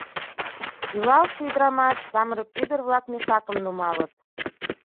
Илалше ӱдрамаш, самырык ӱдыр-влак мешакым нумалыт.